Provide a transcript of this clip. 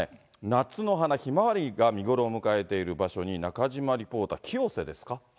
夏の花、ひまわりが見頃を迎えている場所に中島リポーター、清瀬ですか。